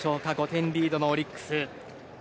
５点リードのオリックス。